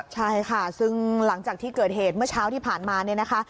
ใช่ค่ะซึ่งหลังจากที่เกิดเหตุเมื่อเช้าที่ผ่านมาเนี่ยนะคะ